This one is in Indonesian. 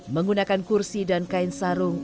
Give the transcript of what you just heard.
menggunakan kursi dan kain sarung